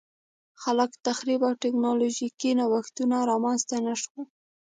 خلاق تخریب او ټکنالوژیکي نوښتونه رامنځته نه شول